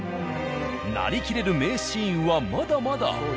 なりきれる名シーンはまだまだ。